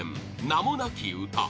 「名もなき詩」